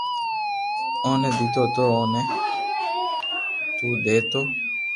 اوني ديتو تو اوني تونا ديتو